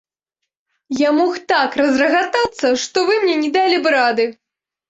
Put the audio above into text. Я мог так разрагатацца, што вы мне не далі б рады.